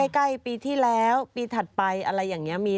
ใกล้ปีที่แล้วปีถัดไปอะไรอย่างนี้